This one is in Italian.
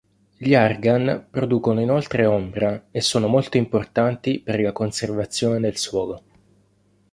Gli argan producono inoltre ombra e sono molto importanti per la conservazione del suolo.